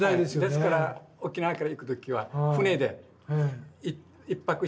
ですから沖縄から行く時は船で１泊して鹿児島着いて。